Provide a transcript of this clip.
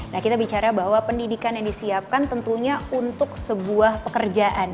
nah kita bicara bahwa pendidikan yang disiapkan tentunya untuk sebuah pekerjaan